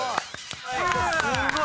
すごい！